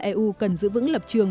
eu cần giữ vững lập trường